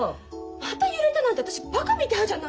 また揺れたなんて私バカみたいじゃない！